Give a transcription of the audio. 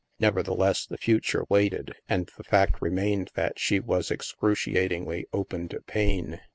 Nevertheless, the future waited, and the fact remained that she was excruciatingly open to pain.